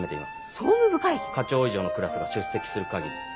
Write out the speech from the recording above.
課長以上のクラスが出席する会議です。